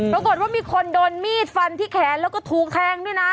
ปรากฏว่ามีคนโดนมีดฟันที่แขนแล้วก็ถูกแทงด้วยนะ